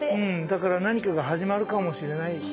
だから何かが始まるかもしれない。